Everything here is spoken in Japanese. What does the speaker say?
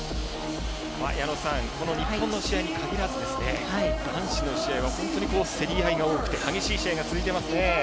矢野さん、日本の試合に限らず男子の試合は本当に競り合いが多くて激しい試合が続いていますね。